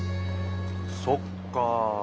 そっか。